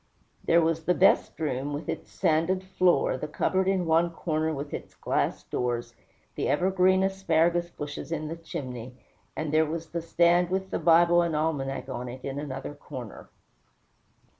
There was the "best room," with its sanded floor, the cupboard in one corner with its glass doors, the ever green asparagus bushes in the chimney, and there was the stand with the Bible and almanac on it in another corner.